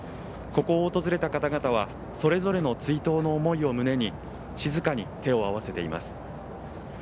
ここを訪れた方々はそれぞれの追悼の思いを胸に、静かに手を合わせています。